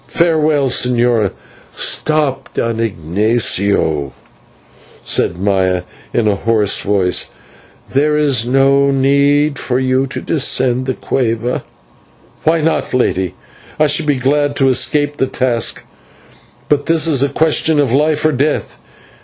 Farewell, señora." "Stop, Don Ignatio," said Maya in a hoarse voice, "there is no need for you to descend the /cueva/." "Why not, Lady? I should be glad to escape the task, but this is a question of life or death."